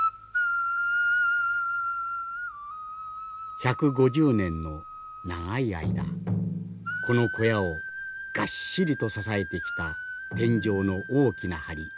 １５０年の長い間この小屋をがっしりと支えてきた天井の大きなはり。